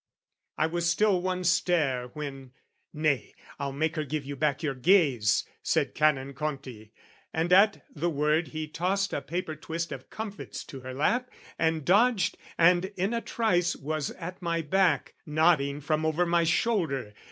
I was still one stare, When "Nay, I'll make her give you back your gaze" Said Canon Conti; and at the word he tossed A paper twist of comfits to her lap, And dodged and in a trice was at my back Nodding from over my shoulder.